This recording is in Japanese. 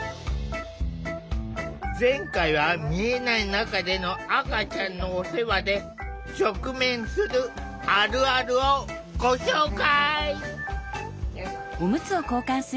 前回は見えない中での赤ちゃんのお世話で直面するあるあるをご紹介。